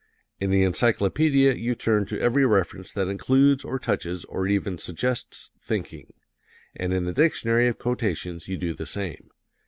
In the encyclopedia you turn to every reference that includes or touches or even suggests "thinking;" and in the dictionary of quotations you do the same.